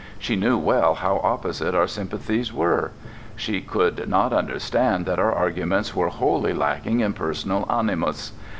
She knew well how opposite our sympathies were; she could not understand that our arguments were wholly lacking in personal animus.